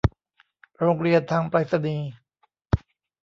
โรงเรียนทางไปรษณีย์